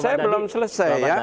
saya belum selesai